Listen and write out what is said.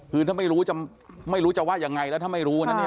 คือถ้าไม่รู้จะว่าอย่างไรแล้วถ้าไม่รู้